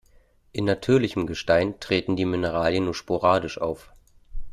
In natürlichem Gestein treten die Mineralien nur sporadisch auf.